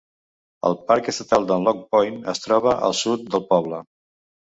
El parc estatal de Long Point es troba al sud del poble.